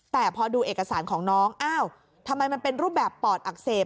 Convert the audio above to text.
แต่พอดูเอกสารของน้องอ้าวทำไมมันเป็นรูปแบบปอดอักเสบ